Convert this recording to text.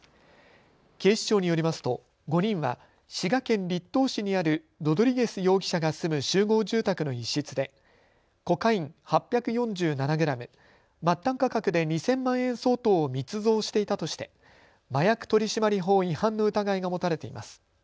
警視庁によりますと５人は滋賀県栗東市にあるロドリゲス容疑者が住む集合住宅の一室でコカイン８４７グラム、末端価格で２０００万円相当を密造していたとして麻薬取締法違反の疑いが持たれています。